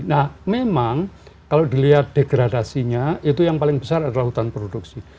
nah memang kalau dilihat degradasinya itu yang paling besar adalah hutan produksi